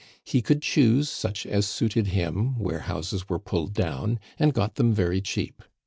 He could choose such as suited him where houses were pulled down, and got them very cheap.